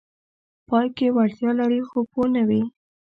پای کې وړتیا لري خو پوه نه وي: